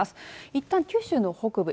いったん九州の北部